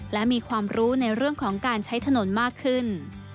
และมีความรู้ในเรื่องของการใช้ถนนมากขึ้น